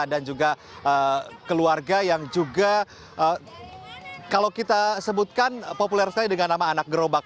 dan juga keluarga yang juga kalau kita sebutkan populer sekali dengan nama anak gerobak